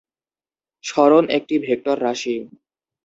সরণ একটি ভেক্টর রাশি।